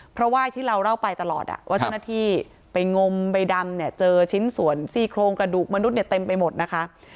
เพราะว่าที่เราเล่าไปตลอดว่าเจ้าหน้าที่ไปงมใบดำเนี่ยเจอชิ้นส่วนซี่โครงกระดูกมนุษย์เนี่ยเต็มไปหมดนะคะ